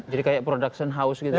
jadi kayak production house gitu ya